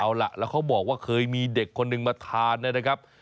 เอาล่ะแล้วเขาบอกว่าเคยมีเด็กคนนึงมาทานนะครับ